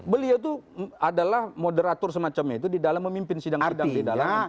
beliau itu adalah moderator semacam itu di dalam memimpin sidang sidang di dalam mk